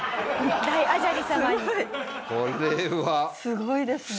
すごいですね。